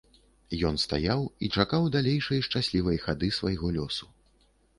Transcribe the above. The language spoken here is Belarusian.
Ён стаяў і чакаў далейшай шчаслівай хады свайго лёсу.